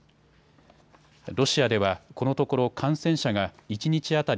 ロシアではこのところ感染者が一日当たり